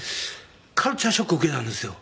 カルチャーショック受けたんですよ。